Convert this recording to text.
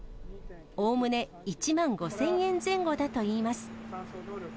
おおむね１万５０００円前後だといいます。